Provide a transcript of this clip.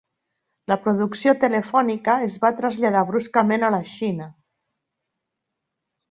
La producció telefònica es va traslladar bruscament a la Xina.